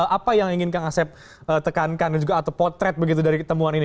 apa yang ingin kak asep tekankan atau juga potret begitu dari temuan ini